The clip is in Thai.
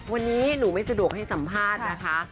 วันนี้หนูไม่สะดวกให้สัมภาษณ์นะคะ